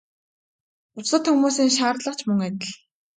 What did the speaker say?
Бусад хүмүүсийн шаардлага ч мөн адил.